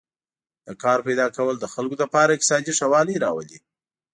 د کار پیدا کول د خلکو لپاره اقتصادي ښه والی راولي.